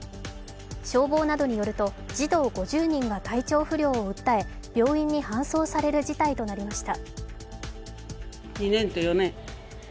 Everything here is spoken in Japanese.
消防などによると児童５０人が体調不良を訴え病院に搬送される事態となりました。